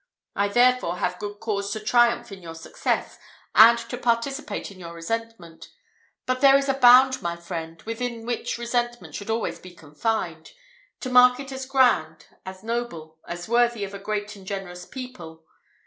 I therefore have good cause to triumph in your success, and to participate in your resentment; but there is a bound, my friends, within which resentment should always be confined, to mark it as grand, as noble, as worthy of a great and generous people.